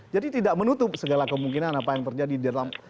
jadi tidak menutup segala kemungkinan apa yang terjadi di dalam